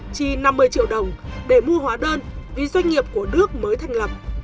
chi năm mươi triệu đồng để mua hóa đơn vì doanh nghiệp của đức mới thành lập